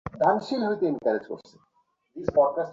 অতঃপর পৃষ্ঠপ্রদর্শন করে পলায়ন করেছিলে।